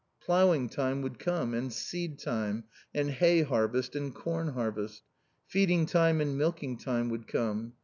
Ploughing time would come and seed time, and hay harvest and corn harvest. Feeding time and milking time would come.